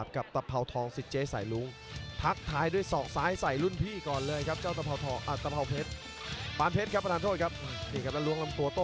แต่พ่อท้องกระหว่างเกี่ยวได้น้ำเทียงขึ้นน้ำหัวขวาเจอสองหวาส่วน